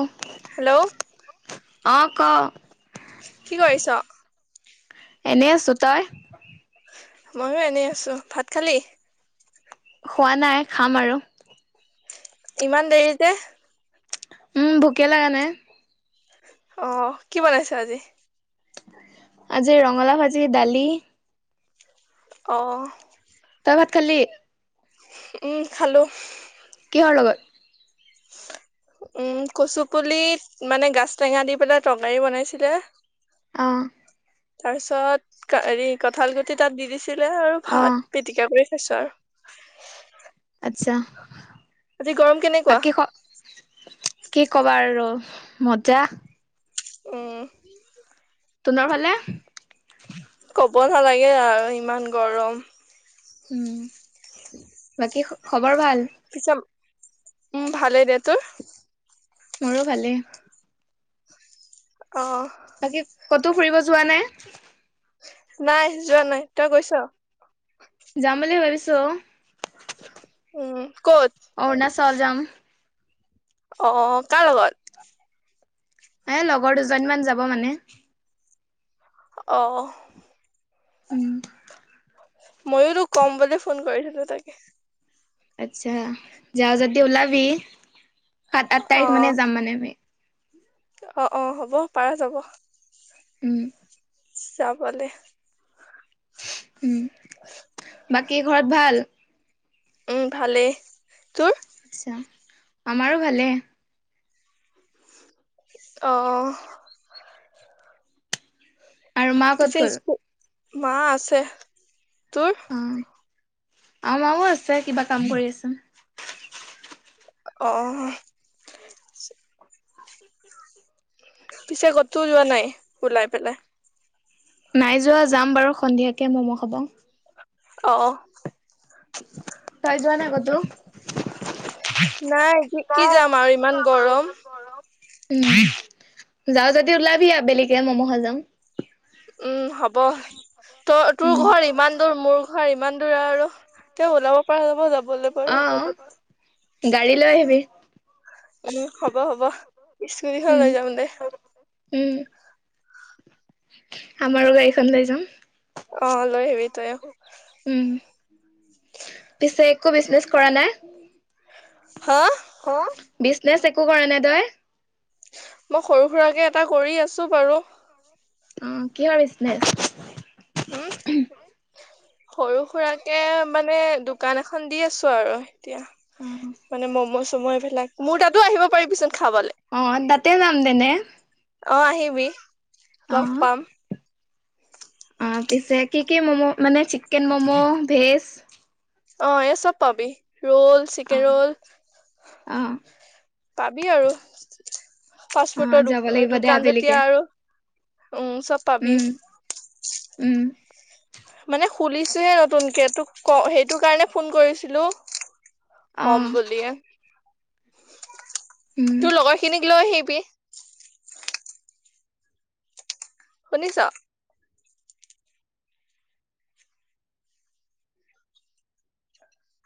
অ' hello ক? কি কৰিছ? এনে আছো। তই? ময়ো এনে আছো ভাত খালি। খোৱা নাই খাম আৰু। ইমান দেৰি যে। উম, ভোকে লগা নাই। অহ কি বনাইছ আজি। আজি ৰঙালাও ভাজি দালি। অ, তই ভাত খালি উম, খালো। কি হৰ লগত উম, কচু পুল মানে গাছ টেঙা দি পেলাই তৰকাৰী বনাইছিলে। অ', তাৰ পিছত হৰি কঁঠাল গুটি তাত দি দিছিলে আৰু অ ভাত পিটিকা কৰি। ছ [unintelligible] আচ্ছা, গৰম কেনেকুৱা বাকী খবৰ কি কবা আৰু মজা। অহ, তোনৰ ফালে। ব নালাগে আৰু ইমান গৰম। উম, বাকী খবৰ ভাল? পিছে উম, ভালেই দে তোৰ মোৰো ভালেই। অ বাকী কতো ফুৰিব যোৱা নাই। নাই যোৱা নাই তই কৈছ। যাম বুলি ভাবিছো। উম, ক'ত অৰুণাচল যাম অ' কাৰ লগত। এ লগৰ দুজনীমান যাব মানে। অহ, উম, ময়ো তোক কম বুলি ফোন কৰিছিলিলো তাকে। আচ্ছা, যা যদি ওলাবি সাত আঠ তাৰিখ মানে যাম মানে আমি। অ-অ হ'ব পাৰে যাব। উম, যাবালে। উম, বাকী ঘৰত ভাল? উম, ভালেই তোৰ? আচ্ছাঁ, আমাৰো ভালে। অহ, আৰু মা পিছে ক'ত গ'ল? স্কু মা আছে তোৰ? আমাৰও আছে কিবা কাম কৰি আছে। অ - অ। পিছে কতোও যোৱা নাই ওলাই পেলাই। নাই যোৱা যাম বাৰু সন্ধিয়াকে মমো খাবা। অ', তাই যোৱা নাই কতো। নাই কি- কি যাম আৰু ইমান গৰম। উম, যাও যদি ওলাবি আবেলিকে মম খাই যাম। উম, হ'ব ত তোৰ উম ঘৰ ইমান দূৰ মোৰ ঘৰ ইমান দূৰ আৰু। তে ওলাব পৰা যাব - যাব। অ', গাড়ী লৈ আহবি। উম, হ'ব - হ'ব স্কুটখন উম লৈ যাম দে। উম, আমাৰো গাড়খন লৈ যাম। অ, লই আহিবি তৈও উম। একো বিজনেছ কৰা নাই। হা অ, বিজনেচ একো কৰা নাই তই। মই সৰু - সুৰাকে এটা কৰি আছো বাৰু। অ, কিহৰ বিজনেছ। উম সৰু- সুৰাকে মানে দোকান এখন দি আছো আৰু। এতিয়া অ মানে মম' চম' এইবিলাক মোৰ তাতো আহিব পাৰিবিচ। অ, তাতে নাম দেনে। অ, আহিবি। লগ পাম আহ, অ, পিছে কি - কি মম' মানে চিকেন মম' ভেজ অ, এ চব পাবি ৰল অ চিকেন ৰল অ পাবি আৰু অ ফাষ্টফুৰ্ডৰ যাব লাগিব দে দোকান আবেলিকে যেতিয়া আৰু উম, চব পাবি। উম উম মানে খুলিছোহে নতুনকে তোক ক সেইটো কাৰণে ফোন কৰিছিলো। অ কম বুলিয়ে। উম তোৰ লগৰ খিনিক লৈ আহিবি। শুনিছ।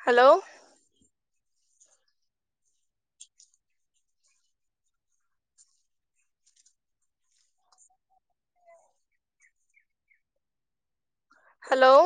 Hello, hello,